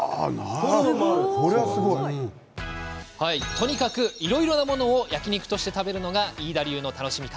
とにかくいろいろなものを焼肉として食べるのが飯田流の楽しみ方。